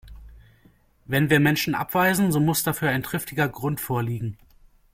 Wenn wir Menschen abweisen, so muss dafür ein triftiger Grund vorliegen.